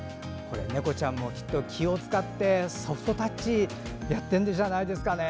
猫ちゃんもきっと気を使ってソフトタッチをやっているんじゃないですかね。